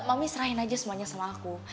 mami serahin aja semuanya sama aku